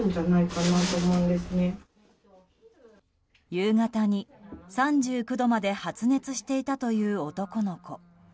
夕方に３９度まで発熱していたという男の子。